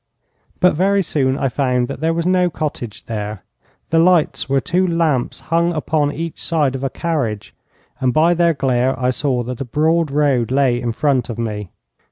But very soon I found that there was no cottage there. The lights were two lamps hung upon each side of a carriage, and by their glare I saw that a broad road lay in front of me.